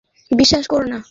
তাহলে বিশ্বাস করোনা।